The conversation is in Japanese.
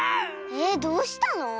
えっどうしたの？